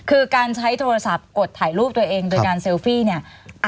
คือการใช้โทรศัพท์กดถ่ายรูปตัวเองโดยการเซลฟี่เนี่ย